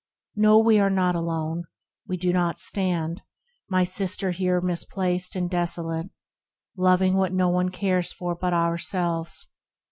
THE RECLUSE 29 No, we are not alone, we do not stand, My sister here misplaced and desolate, Loving what no one cares for but ourselves.